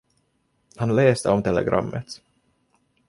Han läste om telegrammet.